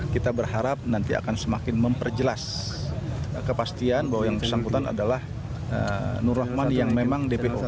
kita berharap nanti akan semakin memperjelas kepastian bahwa yang bersangkutan adalah nur rahman yang memang dpo